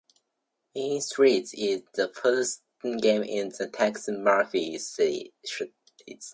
"Mean Streets" is the first game in the "Tex Murphy" series.